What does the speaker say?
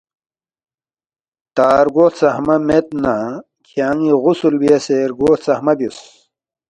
تا رگو ہلژخمہ مید نہ کھیان٘ی غسل بیاسے رگو ہلژخمہ بیوس